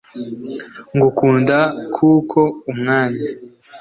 ngukunda kuko umwanya